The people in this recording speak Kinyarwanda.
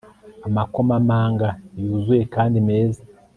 Amakomamanga yuzuye kandi meza